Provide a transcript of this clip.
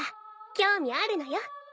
興味あるのよ。